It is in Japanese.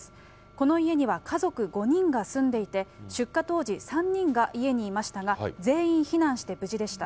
この家には家族５人が住んでいて、出火当時、３人が家にいましたが、全員避難して無事でした。